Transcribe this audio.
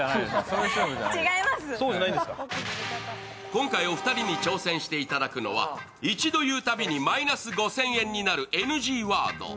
今回お二人に挑戦していただくのは一度言うたびにマイナス５０００円になるＮＧワード。